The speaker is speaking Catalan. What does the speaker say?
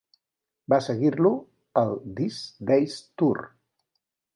Va seguir-lo el These Days Tour.